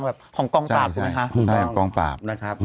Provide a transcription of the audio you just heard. ใช่กลองกำลับนะครับ